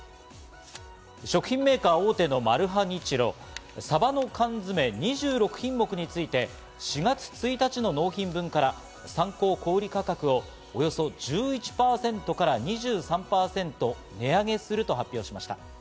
食品メーカー大手のマルハニチロ、サバの缶詰、２６品目について、４月１日の納品分から参考小売価格をおよそ１１％から２３％値上げすると発表しました。